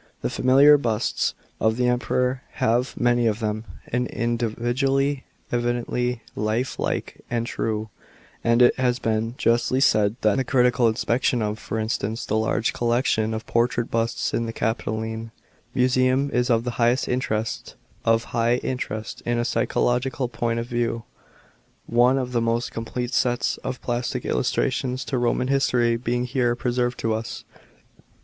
The familiar busts of the Emperors have, many of them, an individuality, evidently life like and true ; and it has been justly said that " the critical inspection of, for instance, the large collection of portrait bust sin the Capitohne M useum is of high interest hi a psychological point of view ; one of the most complete sets of plastic illustrations to Roman history being here preserved to us."